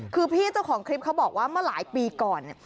คือพี่เจ้าของคลิปเขาบอกว่าเมื่อหลายปีก่อนเนี่ย